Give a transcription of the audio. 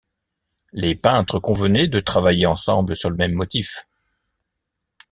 Les peintres convenaient de travailler ensemble sur le même motif.